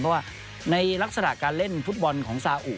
เพราะว่าในลักษณะการเล่นฟุตบอลของซาอุ